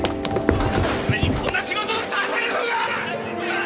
俺にこんな仕事をさせるのか！？